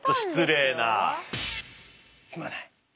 すまない。